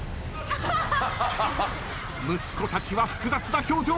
息子たちは複雑な表情。